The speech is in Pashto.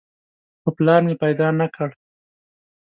خو پلار مې پیدا نه کړ.